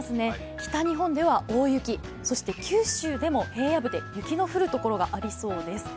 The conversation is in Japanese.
北日本では大雪、九州でも平野部で雪の降るところがありそうです。